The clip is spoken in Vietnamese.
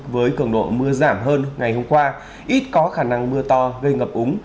với cường độ mưa giảm hơn ngày hôm qua ít có khả năng mưa to gây ngập úng